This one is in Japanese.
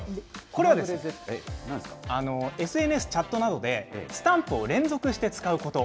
これはＳＮＳ、チャットなどでスタンプを連続して使うこと。